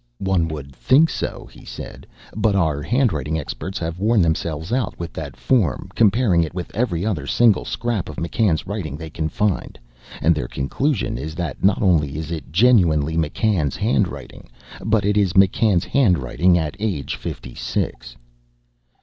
"One would think so," he said. "But our handwriting experts have worn themselves out with that form, comparing it with every other single scrap of McCann's writing they can find. And their conclusion is that not only is it genuinely McCann's handwriting, but it is McCann's handwriting at age fifty six."